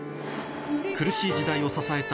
苦しい時代を支えた